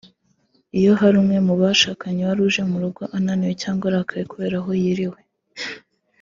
Iyo hari umwe mu bashakanye wari uje mu rugo ananiwe cyangwa arakaye kubera aho yiriwe